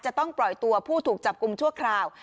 จะต้องปล่อยตัวผู้ถูกจับกลุ่มชั่วคราว